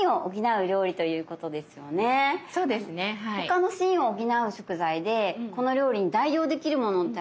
他の「心」を補う食材でこの料理に代用できるものってありますか？